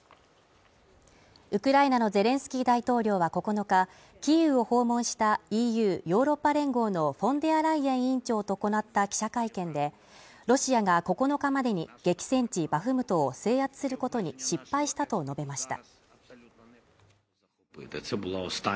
ウクライナのゼレンスキー大統領は９日、キーウを訪問したＥＵ＝ヨーロッパ連合のフォンデアライエン委員長と行った記者会見でロシアが９日までに、激戦地バフムトを制圧することに失敗したと述べました。